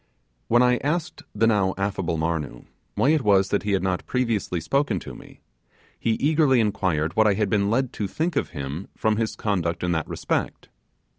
When I asked the now affable Marnoo why it was that he had not previously spoken to me, he eagerly inquired what I had been led to think of him from his conduct in that respect.